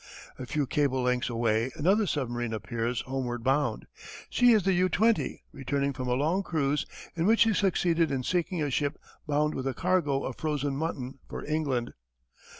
A few cable lengths away another submarine appears homeward bound. She is the U 20 returning from a long cruise in which she succeeded in sinking a ship bound with a cargo of frozen mutton for England.